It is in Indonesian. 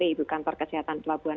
ibu kantor kesehatan pelabuhan